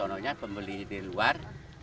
beli di sana pembeli di luar